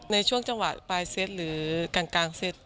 ในช่วงจังหวะปลายเซตหรือกลางเซต